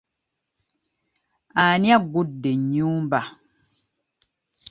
Ani aggudde ennyumba?